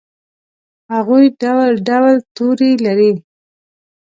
هغوي ډول ډول تورې لري